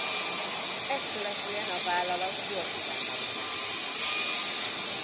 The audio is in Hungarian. Ezt követően a vállalat gyors ütemben növekszik.